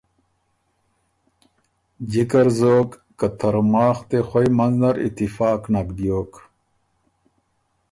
جِکه ر زوک که ترماخ دې خوئ منځ نر اتفاق نک بیوک۔